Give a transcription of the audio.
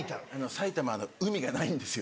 埼玉海がないんですよ。